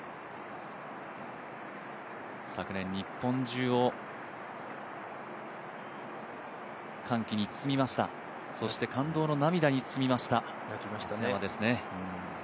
昨年、日本中を歓喜に包みましたそして感動の涙に包みました、松山ですね。